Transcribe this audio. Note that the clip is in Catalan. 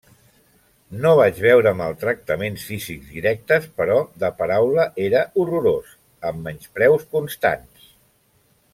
No vaig veure maltractaments físics directes, però de paraula era horrorós, amb menyspreus constants.